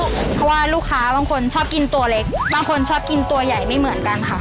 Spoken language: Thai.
เพราะว่าลูกค้าบางคนชอบกินตัวเล็กบางคนชอบกินตัวใหญ่ไม่เหมือนกันค่ะ